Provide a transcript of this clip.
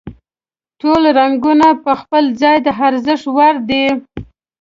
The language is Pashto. ټول رنګونه په خپل ځای د ارزښت وړ دي.